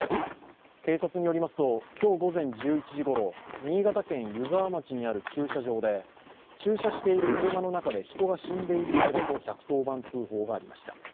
警察によりますと、今日午前１１時頃新潟県湯沢町にある駐車場で駐車している車の中で人が死んでいるようだと１１０番通報がありました。